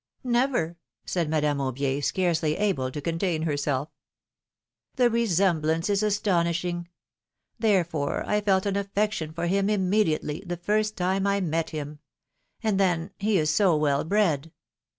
Never !" said Madame Aubier, scarcely able to contain •herself. 290 PHILOMilNE's MAERIAGES. The resemblance is astonishing ! Therefore, I felt an affection for him immediately, the first time I met him ; and then, he is so well bred